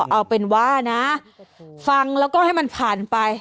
เอาเป็นว่านะฟังแล้วก็ให้มันผ่านไป